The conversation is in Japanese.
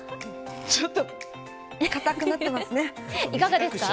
ちょっと硬くなってますね。